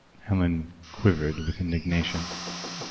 Helen quivered with indignation.